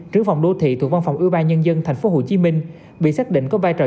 trưởng phòng đô thị thuộc văn phòng ủy ban nhân dân thành phố hồ chí minh bị xác định có vai trò